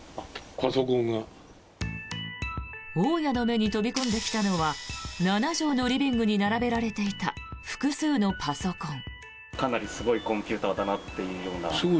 大家の目に飛び込んできたのは７畳のリビングに並べられていた複数のパソコン。